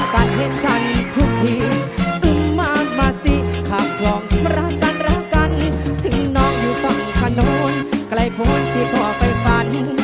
ถึงน้องอยู่ฝั่งถนนไกลพ้นพี่ก่อไฟฟัน